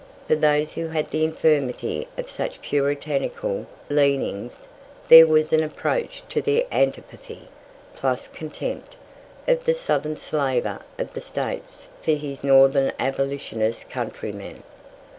For those who had the infirmity of such puritanical leanings there was an approach to the antipathy, plus contempt, of the southern slaver of the States for his northern abolitionist countryman.